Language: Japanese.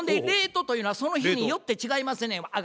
レートというのはその日によって違いますねん。